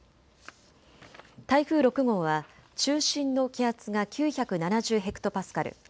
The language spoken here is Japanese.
台風６号は中心の気圧が９７０ヘクトパスカル。